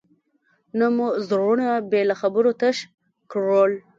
نه مو زړونه بې له خبرو تش کړل.